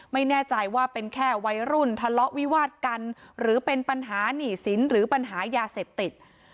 ไม่แน่ใจว่าเป็นแค่วัยรุ่นทะเลาะวิวาดกันหรือเป็นปัญหานี่สินหรือปัญหายาเสพติด